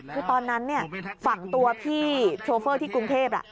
คือตอนนั้นฝั่งตัวพี่โชเฟอร์ที่กรุงเทพ